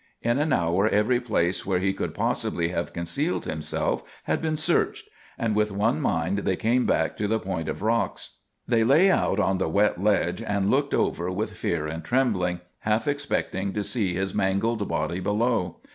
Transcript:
In an hour every place where he could possibly have concealed himself had been searched, and with one mind they came back to the point of rocks. They lay out on the wet ledge and looked over with fear and trembling, half expecting to see his mangled body below.